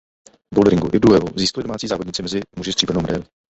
V boulderingu i v duelu získali domácí závodníci mezi muži stříbrnou medaili.